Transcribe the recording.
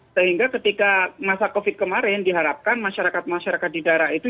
sehingga ketika masa covid kemarin diharapkan masyarakat masyarakat di daerah itu